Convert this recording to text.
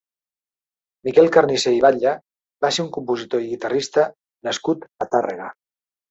Miquel Carnicer i Batlle va ser un compositor i guitarrista nascut a Tàrrega.